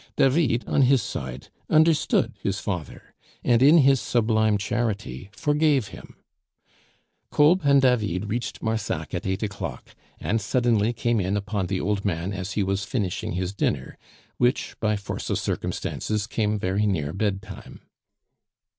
David, on his side, understood his father, and in his sublime charity forgave him. Kolb and David reached Marsac at eight o'clock, and suddenly came in upon the old man as he was finishing his dinner, which, by force of circumstances, came very near bedtime.